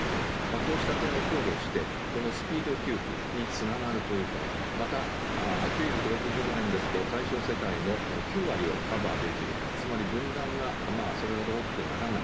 こうした点を考慮して、このスピード給付につながるという点、また、９６０万円ですと対象世帯の９割をカバーできる、つまり分断がそれほど大きくならない。